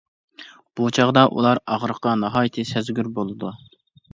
بۇ چاغدا ئۇلار ئاغرىققا ناھايىتى سەزگۈر بولىدۇ.